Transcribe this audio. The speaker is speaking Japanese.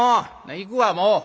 行くわもう。